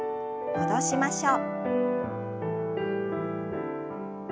戻しましょう。